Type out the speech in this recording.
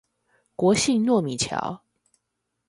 國姓糯米橋